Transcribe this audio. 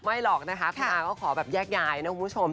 หรอกนะคะคุณอาก็ขอแบบแยกย้ายนะคุณผู้ชม